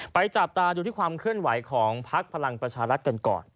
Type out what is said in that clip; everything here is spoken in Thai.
จับตาดูที่ความเคลื่อนไหวของพักพลังประชารัฐกันก่อน